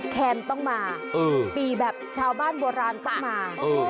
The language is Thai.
แคนต้องมาปีแบบชาวบ้านโบราณต้องมา